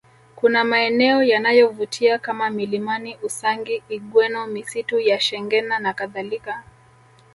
Kuna maeneo yanayovutia kama milimani Usangi Ugweno misitu ya Shengena nakadhalika